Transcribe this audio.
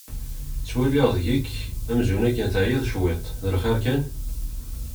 Ttwaliɣ deg-k amzun teɛyiḍ cwiṭ! D lxir kan?